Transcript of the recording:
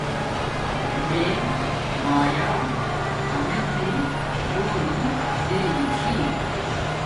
میے میآ امیچوں گھولی دولاریگی چھی